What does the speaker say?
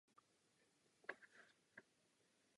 Časem se změnil na ženskou věznici.